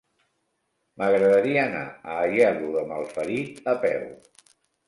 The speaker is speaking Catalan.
M'agradaria anar a Aielo de Malferit a peu.